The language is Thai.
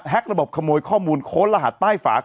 ระบบขโมยข้อมูลโค้นรหัสใต้ฝาก